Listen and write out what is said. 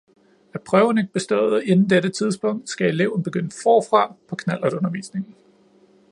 Er prøven ikke bestået inden dette tidspunkt, skal eleven begynde forfra på knallertundervisningen